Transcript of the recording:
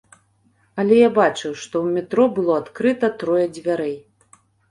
Але я бачыў, што ў метро было адкрыта трое дзвярэй.